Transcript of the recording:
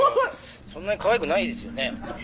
「そんなにかわいくないですよね？」